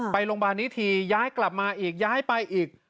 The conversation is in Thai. ไปโรงพยาบาลนี้ทีย้ายกลับมาอีกย้ายไปอีก